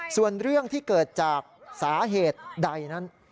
ส่วนเรื่องที่เกิดจากสาเหตุใดนั้น